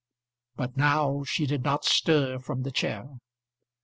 But now she did not stir from the chair.